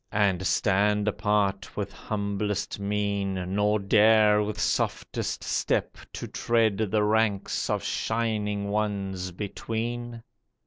And stand apart with humblest mien, Nor dare with softest step to tread The ranks of shining Ones between